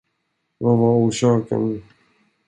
Vad var orsaken?